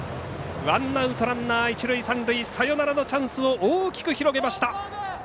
ワンアウトランナー、一塁三塁サヨナラのチャンスを大きく広げました。